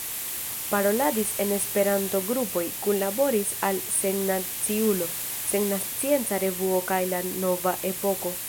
Paroladis en Esperanto-grupoj, kunlaboris al Sennaciulo, Sennacieca Revuo kaj La Nova Epoko.